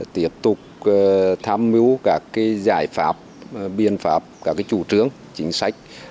tiếp tục tham mưu các giải pháp biện pháp các chủ trương chính sách